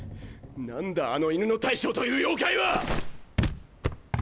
なんだあの犬の大将という妖怪はっ！？